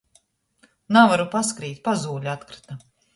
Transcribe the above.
Navaru paskrīt, pazūle atkryta.